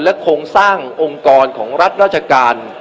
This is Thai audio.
โครงสร้างองค์กรของรัฐราชการ